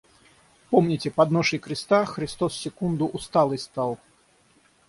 Помните: под ношей креста Христос секунду усталый стал.